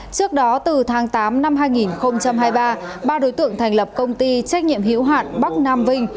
trước đó từ tháng tám năm hai nghìn hai mươi ba ba đối tượng thành lập công ty trách nhiệm hiểu hạn bắc nam vinh